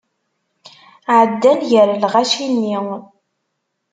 Ɛeddan gar lɣaci-nni.